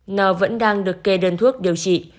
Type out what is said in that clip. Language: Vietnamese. n vẫn đang được kê đơn thuốc điều trị